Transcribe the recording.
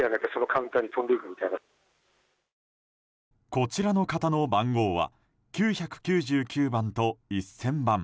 こちらの方の番号は９９９番と１０００番。